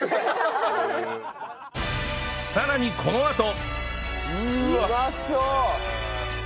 さらにこのあと